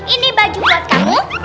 ini baju buat kamu